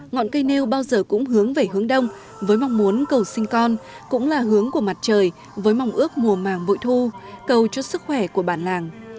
ngọn cây nêu bao giờ cũng hướng về hướng đông với mong muốn cầu sinh con cũng là hướng của mặt trời với mong ước mùa màng vội thu cầu cho sức khỏe của bản làng